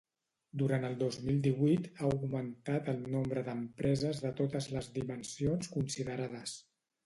Durant el dos mil divuit ha augmentat el nombre d'empreses de totes les dimensions considerades.